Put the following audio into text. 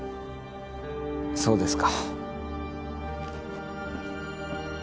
そうですか。